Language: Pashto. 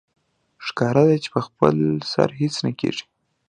ښکاره ده چې په خپل سر هېڅ نه کېږي